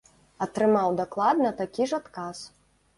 Атрымаў дакладна такі ж адказ.